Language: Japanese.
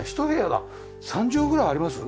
３畳ぐらいあります？